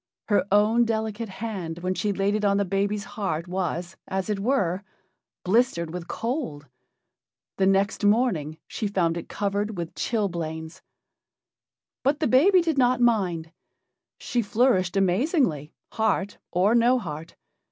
Her own delicate hand when she laid it on the baby's heart was, as it were, blistered with cold. The next morning she found it covered with chilblains. But the baby did not mind. She flourished amazingly, heart or no heart.